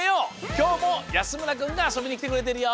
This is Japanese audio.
きょうも安村くんがあそびにきてくれてるよ。